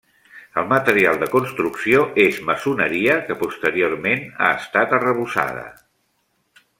El material de construcció és maçoneria que posteriorment ha estat arrebossada.